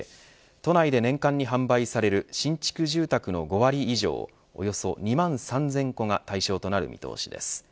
都内で年間に販売される新築住宅の５割以上およそ２万３０００戸が対象となる見通しです。